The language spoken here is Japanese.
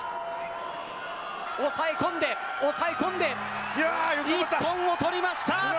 押さえ込んで、押さえ込んで一本をとりました。